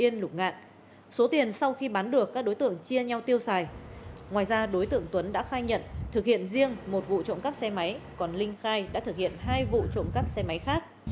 ngoài ra đối tượng tuấn đã khai nhận thực hiện riêng một vụ trộm cắp xe máy còn linh khai đã thực hiện hai vụ trộm cắp xe máy khác